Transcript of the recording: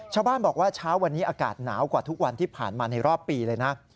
ชาวบ้านบอกว่าเช้าวันนี้อากาศหนาวกว่าทุกวันที่ผ่านมาในรอบปีเลยนะ